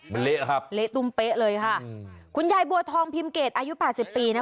มันเละครับเละตุ้มเป๊ะเลยค่ะอืมคุณยายบัวทองพิมเกตอายุแปดสิบปีนะ